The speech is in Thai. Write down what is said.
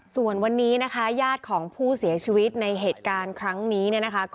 ส่วนวันนี้ยาดของผู้เสียชีวิตในเกิดการณ์ครั้งนี้